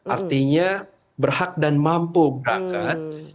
artinya berhak dan mampu berangkat